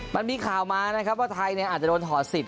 มันมีข่าวมาว่าไทยอาจจะโดนถอดศิษย์